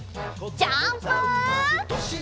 ジャンプ！